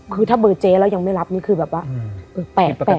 คือถ้าเบอร์เจ๊แล้วยังไม่รับนี่คือแบบว่า